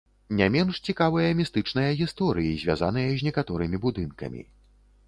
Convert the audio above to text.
Не менш цікавыя містычныя гісторыі звязаныя з некаторымі будынкамі.